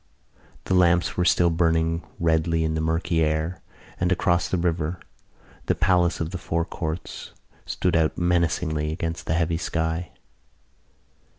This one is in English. The lamps were still burning redly in the murky air and, across the river, the palace of the Four Courts stood out menacingly against the heavy sky.